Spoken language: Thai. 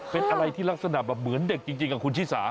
เป็นอะไรที่ลักษณะแบบเหมือนเด็กจริงกับคุณชิสา